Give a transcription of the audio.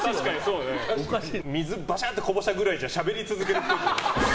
水バシャッとこぼしたくらいじゃしゃべり続けるっぽい。